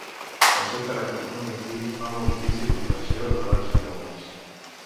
El seu caràcter clandestí fa molt difícil l'obtenció de dades fiables.